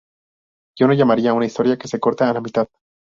Yo no lo llamaría una historia que se corta a la mitad.